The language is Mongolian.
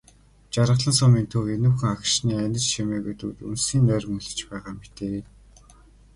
Жаргалан сумын төв энүүхэн агшны анир чимээгүйд дүнсийн нойрмоглож байгаа мэтээ.